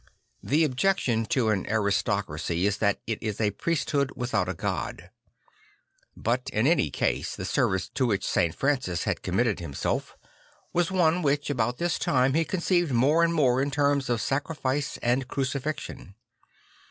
The objection to an aristocracy is that it is a priesthood without a god. But in any case the service to which St. Francis had committed himself was one which, about this time, he con cei ved more and more in terms of sacrifice and crucifixion.